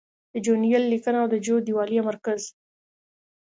د جو نل لیکنه او د جو دیوالیه مرکز